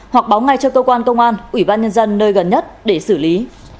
ba nghìn sáu trăm một mươi sáu hoặc báo ngay cho tô quan công an ủy ban nhân dân nơi gần nhất để xử lý